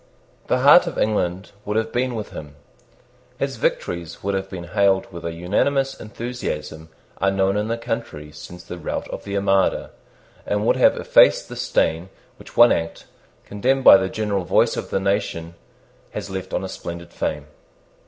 The heart of England would have been with him. His victories would have been hailed with an unanimous enthusiasm unknown in the country since the rout of the Armada, and would have effaced the stain which one act, condemned by the general voice of the nation, has left on his splendid fame.